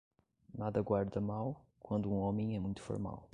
Nada aguarda mal, quando um homem é muito formal.